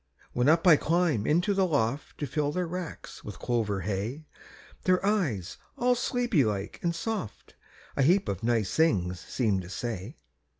When up I climb into the loft To fill their racks with clover hay, Their eyes, all sleepy like and soft, A heap of nice things seem to say.